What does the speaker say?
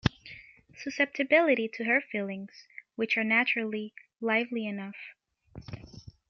Susceptibility to her feelings - which are naturally lively enough.